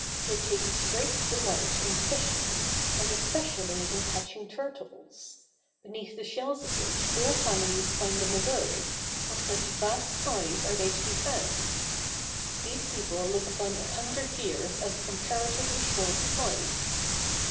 They take great delight in fishing, and especially in catching turtles; beneath the shells of which whole families find an abode, of such vast size are they to be found. These people look upon a hundred years as a comparatively short life.